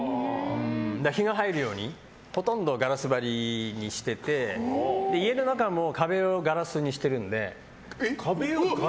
日が入るようにほとんどガラス張りにしてて家の中も壁をガラスにしているので。